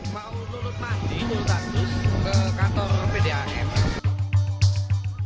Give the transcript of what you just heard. mau menulut mandi menulut angkus ke kantor pdam